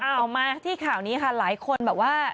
เอามาที่ข่าวนี้ค่ะหลายคนแบบว่า